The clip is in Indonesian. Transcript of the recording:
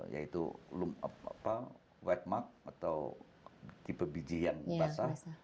yaitu wet mark atau tipe biji yang basah